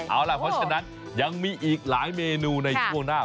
เอาล่ะเพราะฉะนั้นยังมีอีกหลายเมนูในช่วงหน้า